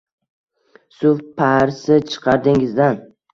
Suv parsi chiqar dengizdan